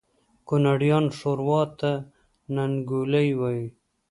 کونړیان ښوروا ته ننګولی وایي